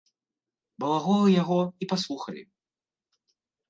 Балаголы яго і паслухалі.